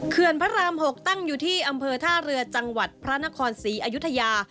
พระราม๖ตั้งอยู่ที่อำเภอท่าเรือจังหวัดพระนครศรีอยุธยา